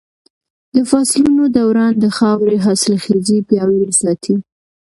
د فصلونو دوران د خاورې حاصلخېزي پياوړې ساتي.